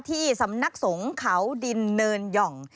ที่สำนักสงฆ์เขาดินเนินหย่อง